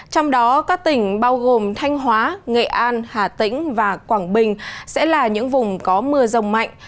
trong đó các tỉnh bao gồm thanh hóa nghệ an hà tĩnh và quảng bình sẽ là những vùng có mưa rông mạnh